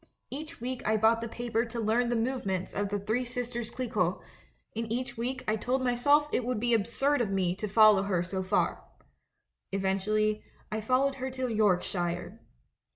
Each week I bought the paper to learn the movements of The Three Sisters Clicquot; and each week I told myself it would be absurd of me to follow her sa far. Eventually, I followed her to Yorkshire.